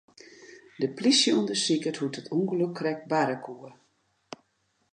De plysje ûndersiket hoe't it ûngelok krekt barre koe.